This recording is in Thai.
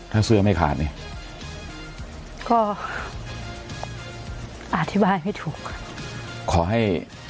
ถ้าเสื้อไม่ขาดเนี่ยก็อธิบายไม่ถูกค่ะขอให้